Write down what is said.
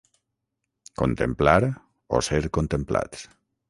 Contemplar o ser contemplats.